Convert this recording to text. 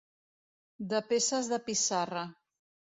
De peces de pissarra.